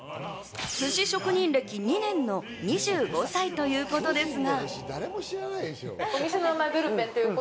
寿司職人歴２年の２５歳ということですが。